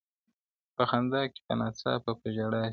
په خندا کي به ناڅاپه په ژړا سي-